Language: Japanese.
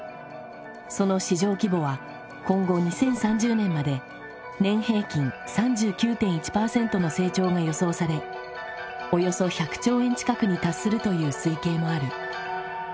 その市場規模は今後２０３０年まで年平均３９．１％の成長が予想されおよそ１００兆円近くに達するという推計もある。